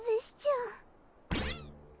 ん？